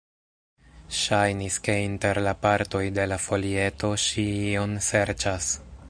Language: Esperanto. Ŝajnis, ke inter la partoj de la folieto ŝi ion serĉas.